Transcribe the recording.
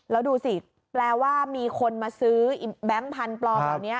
แล้วดูสิแปลว่ามีคนมาซื้อแบงค์พันธุ์ปลอมเหล่านี้